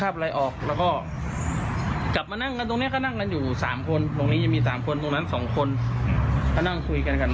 พอนั่งกับกริมพอได้ยินเสียงประมาณตี๓เลย